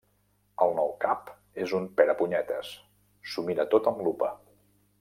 El nou cap és un perepunyetes. S'ho mira tot amb lupa.